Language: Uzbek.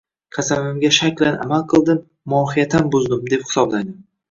Qasamimga shaklan amal qildim, mohiyatan buzdim, deb hisoblaydi